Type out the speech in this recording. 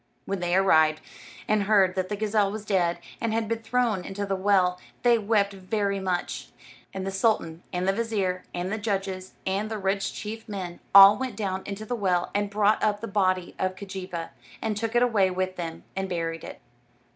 When they arrived, and heard that the gazelle was dead and had been thrown into the well, they wept very much; and the sultan, and the vizir, and the judges, and the rich chief men, all went down into the well and brought up the body of Keejeepaa, and took it away with them and buried it.